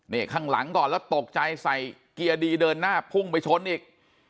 นี่ข้างหลังก่อนแล้วตกใจใส่เกียร์ดีเดินหน้าพุ่งไปชนอีก